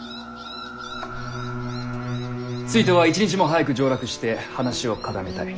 ついては一日も早く上洛して話を固めたい。